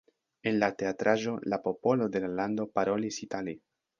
En la teatraĵo la popolo de la lando parolis itale.